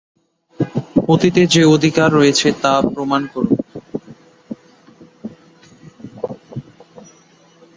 অতীতে যে অধিকার রয়েছে তা প্রমাণ করুন।